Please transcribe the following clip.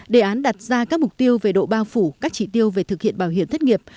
đề án đặt ra các mục tiêu về độ bao phủ các trị tiêu về thực hiện bảo hiểm thất nghiệp